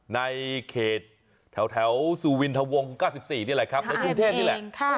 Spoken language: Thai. ในเขตแถวสุวินทะวง๙๔นี่แหละครับในกรุงเทพนี่แหละ